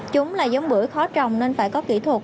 chúng là giống bưởi khó trồng nên phải có kỹ thuật